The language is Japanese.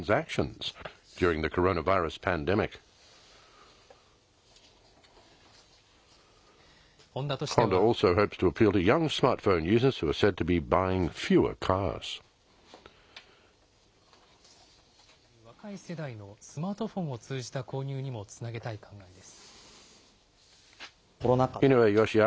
また、車離れが指摘されている若い世代のスマートフォンを通じた購入にもつなげたい考えです。